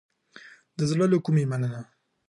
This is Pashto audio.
د زړه له کومې مننه